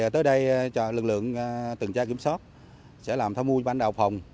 tới đây lực lượng từng tra kiểm soát sẽ làm tham mưu ban đào phòng